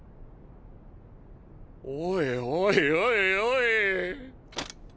おいおいおいおい。